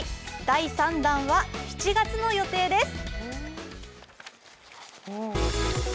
第３弾は７月の予定です。